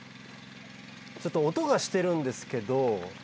ちょっと音がしてるんですけど。